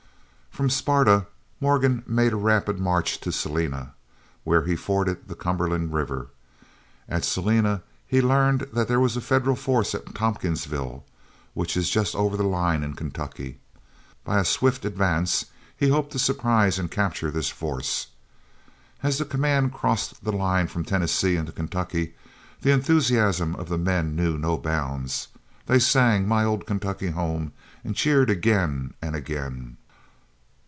From Sparta Morgan made a rapid march to Selina, where he forded the Cumberland River. At Selina he learned that there was a Federal force at Tompkinsville, which is just over the line in Kentucky. By a swift advance he hoped to surprise and capture this force. As the command crossed the line from Tennessee into Kentucky, the enthusiasm of the men knew no bounds. They sang "My Old Kentucky Home," and cheered again and again.